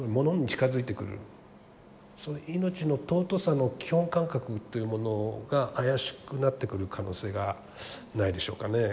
命の尊さの基本感覚というものが怪しくなってくる可能性がないでしょうかね。